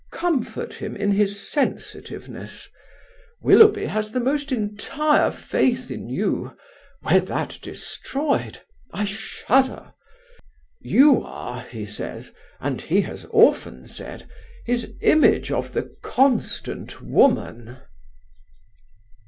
Comfort him in his sensitiveness. Willoughby has the most entire faith in you. Were that destroyed I shudder! You are, he says, and he has often said, his image of the constant woman."